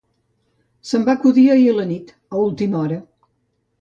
Se'm va acudir ahir a la nit, a última hora.